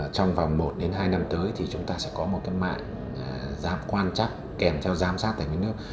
trong vào một hai năm tới thì chúng ta sẽ có một cái mạng quan trắc kèm cho giám sát tài nguyên nước